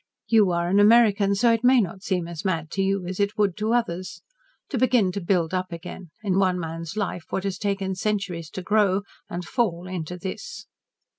"You are an American, so it may not seem as mad to you as it would to others. To begin to build up again, in one man's life, what has taken centuries to grow and fall into this."